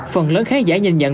phần lớn khán giả nhìn nhận